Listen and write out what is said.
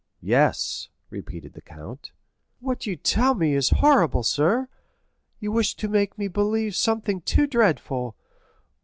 "Yes," repeated the count. "What you tell me is horrible, sir. You wish to make me believe something too dreadful.